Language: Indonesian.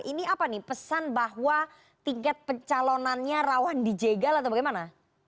ini apa nih pesan bahwa tingkat pencalonannya rawan dijegal atau bagaimana